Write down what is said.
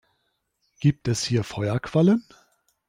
Gibt es hier Feuerquallen?